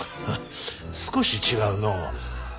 少し違うのう。